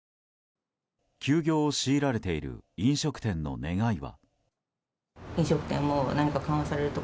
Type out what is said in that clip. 休業を強いられている飲食店の願いは。